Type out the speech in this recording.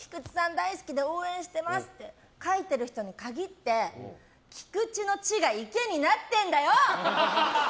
大好きで応援してますって書いてる人に限って菊地の「地」が「池」になってるんだよ！